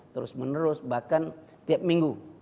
terus menerus bahkan tiap minggu